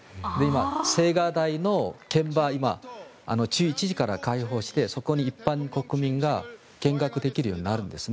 青瓦台の現場１１時から開放してそこに一般国民が見学できるようになるんです。